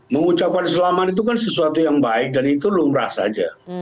mengucapkan selamat itu kan sesuatu yang baik dan itu lumrah saja